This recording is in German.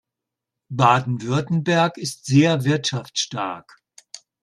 Baden-Württemberg ist sehr wirtschaftsstark.